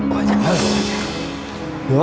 wah jangan lho